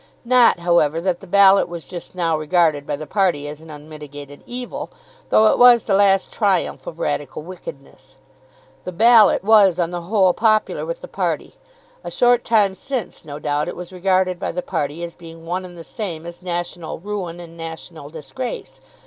Not, however, that the Ballot was just now regarded by the party as an unmitigated evil, though it was the last triumph of Radical wickedness. The Ballot was on the whole popular with the party. A short time since, no doubt it was regarded by the party as being one and the same as national ruin and national disgrace.